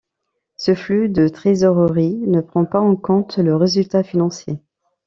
Ce flux de trésorerie ne prend pas en compte le résultat financier.